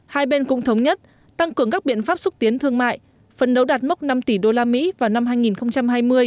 hai bên cũng thống nhất tăng cường các biện pháp xúc tiến thương mại phân đấu đạt mốc năm tỷ usd vào năm hai nghìn hai mươi